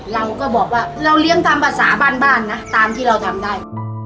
เราก็บอกว่าเราเลี้ยงตามภาษาบ้านบ้านนะตามที่เราทำได้